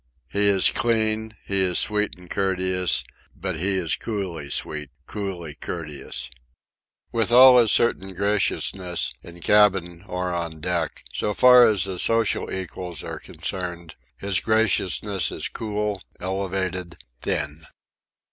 He is clean, he is sweet and courteous; but he is coolly sweet, coolly courteous. With all his certain graciousness, in cabin or on deck, so far as his social equals are concerned, his graciousness is cool, elevated, thin.